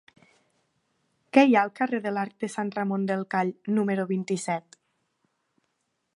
Què hi ha al carrer de l'Arc de Sant Ramon del Call número vint-i-set?